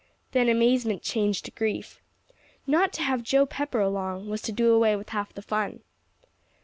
Then amazement changed to grief. Not to have Joe Pepper along, was to do away with half the fun.